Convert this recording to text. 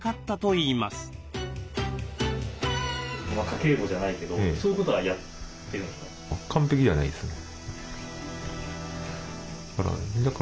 家計簿じゃないけどそういうことはやってるんですか？